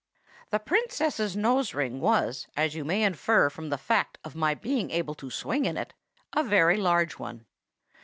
"The Princess's nose ring was, as you may infer from the fact of my being able to swing in it, a very large one.